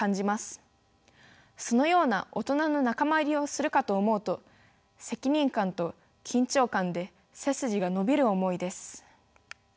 そのような大人の仲間入りをするかと思うと責任感と緊張感で背筋が伸びる思いです。